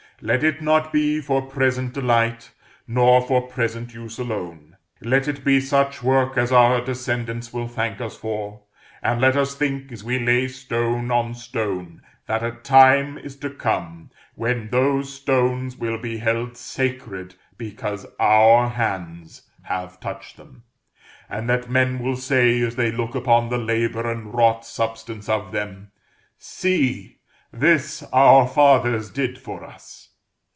Let it not be for present delight, nor for present use alone; let it be such work as our descendants will thank us for, and let us think, as we lay stone on stone, that a time is to come when those stones will be held sacred because our hands have touched them, and that men will say as they look upon the labor and wrought substance of them, "See! this our fathers did for us."